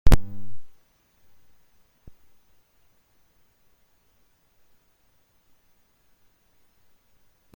Los habitantes de Santo Domingo formaron milicias y prepararon las municiones de la fortaleza.